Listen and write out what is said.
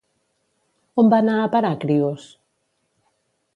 On va anar a parar Crios?